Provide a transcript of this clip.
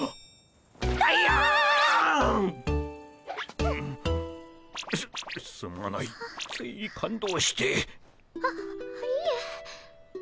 あっいえ。